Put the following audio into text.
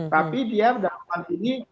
tapi dia dalam hal ini